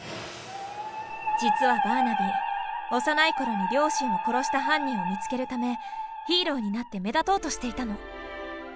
実はバーナビー幼い頃に両親を殺した犯人を見つけるためヒーローになって目立とうとしていたの。